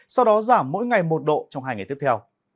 sau đó giảm mỗi ngày một độ trong hai ngày tiếp theo